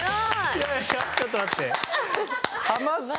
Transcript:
いやいやちょっと待って。